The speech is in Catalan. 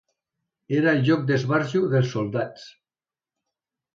Era el lloc d'esbarjo dels soldats.